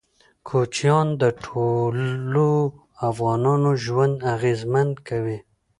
کوچیان د ټولو افغانانو ژوند اغېزمن کوي.